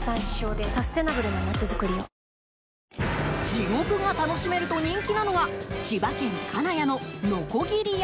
地獄が楽しめると人気なのが千葉県金谷の鋸山。